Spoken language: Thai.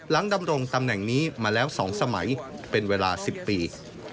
ดำรงตำแหน่งนี้มาแล้ว๒สมัยเป็นเวลา๑๐ปี